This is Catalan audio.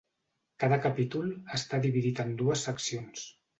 Cada capítol està dividit en dues seccions.